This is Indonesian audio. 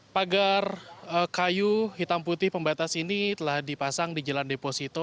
pagar kayu hitam putih pembatas ini telah dipasang di jalan deposito